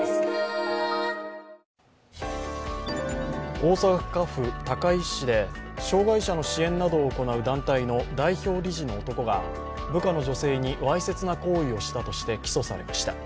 大阪府高石市で障害者の支援などを行う団体の代表理事の男が部下の女性にわいせつな行為をしたとして起訴されました。